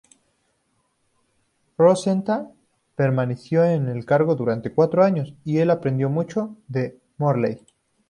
Rosenthal permaneció en el cargo durante cuatro años y aprendió mucho de Morley.